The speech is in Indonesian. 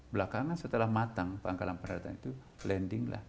belakangan setelah matang pangkalan peradaban itu landing lah